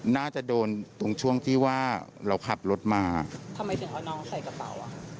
น่าจะโดนตรงช่วงที่ว่าเราขับรถมาทำไมถึงเอาน้องใส่กระเป๋าอ่ะ